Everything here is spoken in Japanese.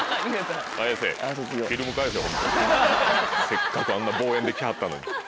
せっかくあんな望遠で来はったのに。